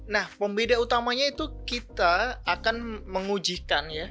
nah pembeda utamanya itu kita akan mengujikan ya